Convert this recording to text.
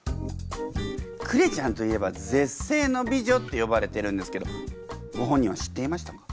クレちゃんといえば絶世の美女って呼ばれてるんですけどご本人は知っていましたか？